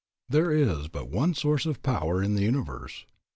There is but one source of power in the universe.